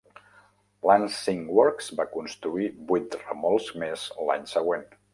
Lancing Works va construir vuit remolcs més l'any següent.